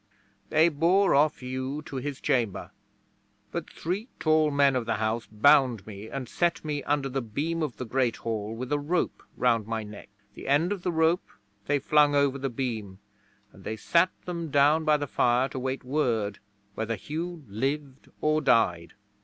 'They bore off Hugh to his chamber; but three tall men of the house bound me and set me under the beam of the Great Hall with a rope round my neck. The end of the rope they flung over the beam, and they sat them down by the fire to wait word whether Hugh lived or died.